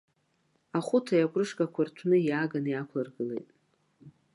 Ахәыҭаҩ акурышкақәа рҭәны иааганы иаақәлыргылеит.